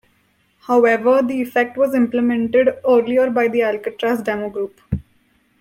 However, the effect was implemented earlier by the Alcatraz demo group.